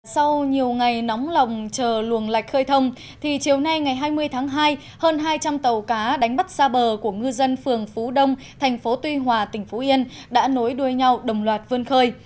sau nhiều ngày nóng lòng chờ luồng lạch khơi thông thì chiều nay ngày hai mươi tháng hai hơn hai trăm linh tàu cá đánh bắt xa bờ của ngư dân phường phú đông thành phố tuy hòa tỉnh phú yên đã nối đuôi nhau đồng loạt vươn khơi